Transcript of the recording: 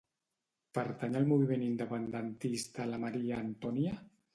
Pertany al moviment independentista la Maria Antonia?